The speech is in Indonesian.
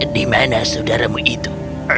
di mana saudaramu itu